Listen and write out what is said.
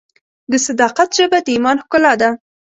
د صداقت ژبه د ایمان ښکلا ده.